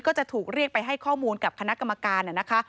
ก็จะถูกเรียกไปให้ข้อมูลกับคณะกรรมการนะคะ